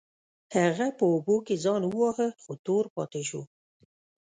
هغه په اوبو کې ځان وواهه خو تور پاتې شو.